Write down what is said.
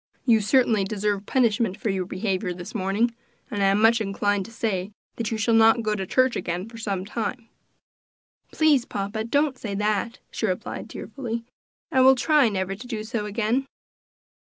You certainly deserve punishment for your behavior this morning, and I am much inclined to say that you shall not go to church again for some time." "Please, papa, don't say that," she replied tearfully; "I will try never to do so again."